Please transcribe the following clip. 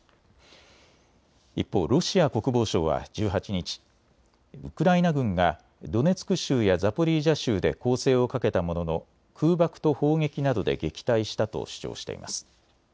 一方、ロシア国防省は１８日、ウクライナ軍がドネツク州やザポリージャ州で攻勢をかけたものの空爆と砲撃などで撃退したと主張しています。